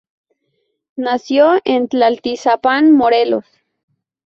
Nació en Tlaltizapán, Morelos.